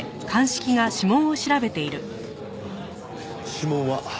指紋は？